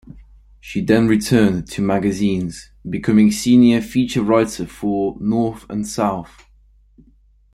She then returned to magazines, becoming senior feature writer for "North and South".